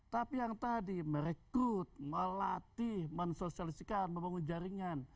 tapi yang tadi merekrut melatih mensosialisikan membangun jaringan